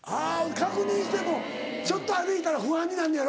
確認してもちょっと歩いたら不安になんのやろ？